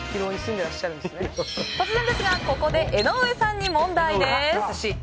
突然ですがここで江上さんに問題です。